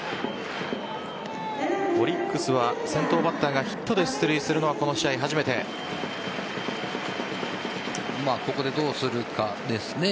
オリックスは先頭バッターがヒットで出塁するのはここでどうするかですね。